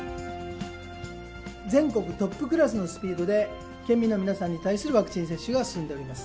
全国トップクラスのスピードで、県民の皆さんに対するワクチン接種が進んでいます。